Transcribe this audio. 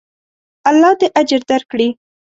الله دې اجر درکړي.